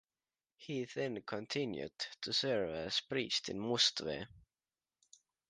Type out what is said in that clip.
He then continued to serve as priest in Mustvee.